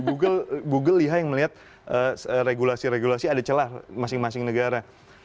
google lihat regulasi regulasi ada celah masing masing negara